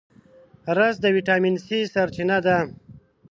رس د ویټامین C سرچینه ده